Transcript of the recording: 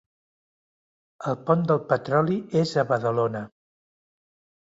El pont del Petroli és a Badalona